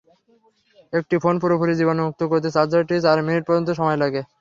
একটি ফোন পুরোপুরি জীবাণুমুক্ত করতে চার্জারটির চার মিনিট পর্যন্ত সময় লাগে।